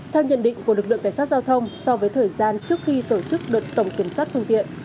theo nhận định của lực lượng cảnh sát giao thông so với thời gian trước khi tổ chức đợt tổng kiểm soát phương tiện